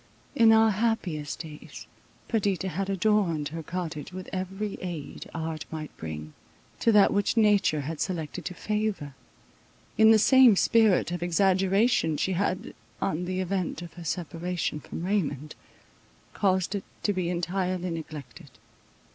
In our happiest days, Perdita had adorned her cottage with every aid art might bring, to that which nature had selected to favour. In the same spirit of exaggeration she had, on the event of her separation from Raymond, caused it to be entirely neglected.